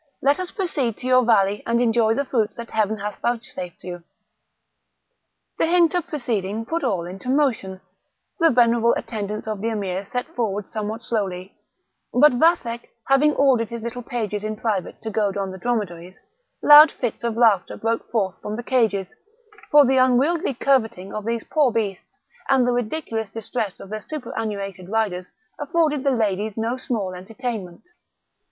let us proceed to your valley, and enjoy the fruits that Heaven hath vouchsafed you." The hint of proceeding put all into motion; the venerable attendants of the Emir set forward somewhat slowly, but Vathek, having ordered his little pages in private to goad on the dromedaries, loud fits of laughter broke forth from the cages, for the unwieldy curvetting of these poor beasts, and the ridiculous distress of their superannuated riders, afforded the ladies no small entertainment.